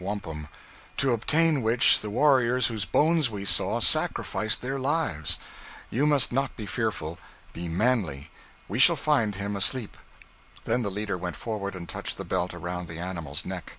wampum), to obtain which, the warriors whose bones we saw, sacrificed their lives. You must not be fearful: be manly. We shall find him asleep.' Then the leader went forward and touched the belt around the animal's neck.